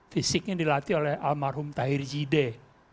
fisiknya dilatih oleh almarhum tahir jideh